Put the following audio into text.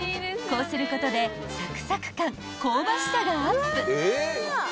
［こうすることでサクサク感香ばしさがアップ］